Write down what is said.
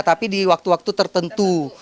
tapi di waktu waktu tertentu